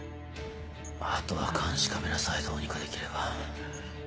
あとは監視カメラさえどうにかできれば。